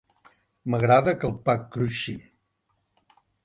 M'agrada que el pa cruixi.